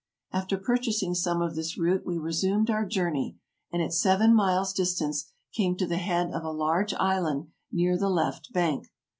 After purchasing some of this root we resumed our journey, and at seven miles' distance came to the head of a large island near the left bank.